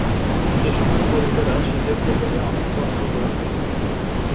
এসময় গরিবেরা শীতের প্রকোপে অনেক কষ্ট করে থাকে।